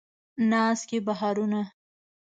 ناز کړي بهارونه